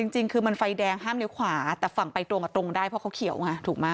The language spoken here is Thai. จริงคือมันไฟแดงห้ามเลี้ยวขวาแต่ฝั่งไปตรงได้เพราะเขาเขียวไงถูกไหม